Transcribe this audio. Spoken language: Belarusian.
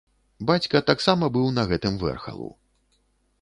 Бацька таксама быў на гэтым вэрхалу.